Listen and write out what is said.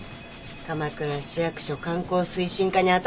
鎌倉市役所観光推進課に頭下げに。